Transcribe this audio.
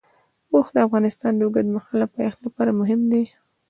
اوښ د افغانستان د اوږدمهاله پایښت لپاره مهم دی.